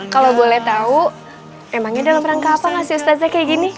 kalau boleh tahu emangnya dalam rangka apa hasil stepnya kayak gini